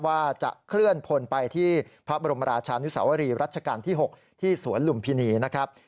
ว่าจะเคลื่อนพลไปที่พระบรมราชานุสาวรีรัชกาลที่๖ที่สวนลุมพินีนะครับ